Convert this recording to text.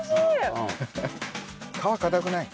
皮硬くない？